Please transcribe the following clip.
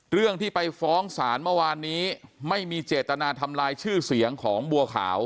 เรื่องที่ไปฟ้องศาลเมื่อวานนี้ไม่มีเจตนาทำลายชื่อเสียงของบัวขาว